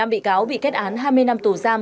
năm bị cáo bị kết án hai mươi năm tù giam